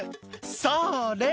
「それ」